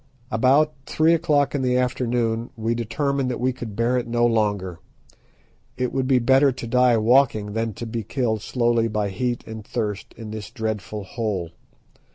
About three o'clock in the afternoon we determined that we could bear it no longer. It would be better to die walking than to be killed slowly by heat and thirst in this dreadful hole.